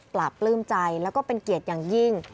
ปลื้มใจแล้วก็เป็นเกียรติอย่างยิ่ง